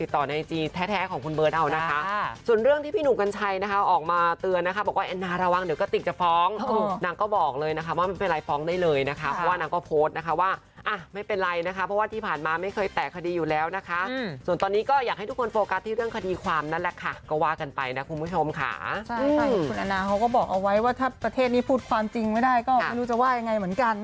ถ้าประเทศนี้พูดความจริงไม่ได้ก็ไม่รู้จะว่ายังไงเหมือนกันนะครับ